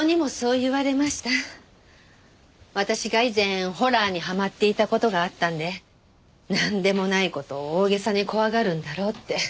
私が以前ホラーにはまっていた事があったんでなんでもない事を大げさに怖がるんだろうって。